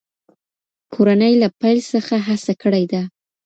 کورنۍ له پیل څخه هڅه کړې ده.